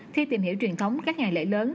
thì tìm hiểu truyền thống các ngày lễ lớn